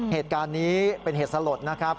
เหตุการณ์นี้เป็นเหตุสลดนะครับ